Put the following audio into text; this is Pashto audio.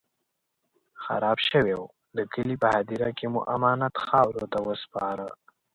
خراب شوی و، د کلي په هديره کې مو امانت خاورو ته وسپاره.